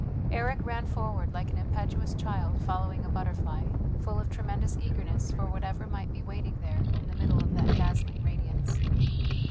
Eric ran forward like an impetuous child following a butterfly, full of tremendous eagerness for whatever might be waiting there in the middle of that dazzling radiance.